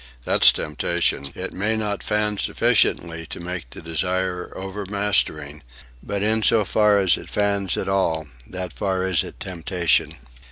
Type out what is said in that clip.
That's temptation. It may not fan sufficiently to make the desire overmastering, but in so far as it fans at all, that far is it temptation.